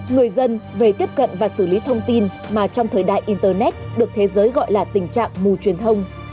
người dân về tiếp cận và xử lý thông tin mà trong thời đại internet được thế giới gọi là tình trạng mù truyền thông